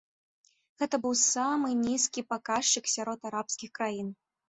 Гэта быў самы нізкі паказчык сярод арабскіх краін.